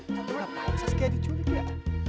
tentu lah apaan saskia diculik ya